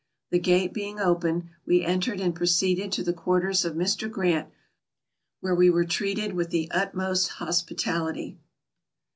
The gate being open, we entered and proceeded to the quarters of Mr. Grant, where we were treated with the utmost hospitality.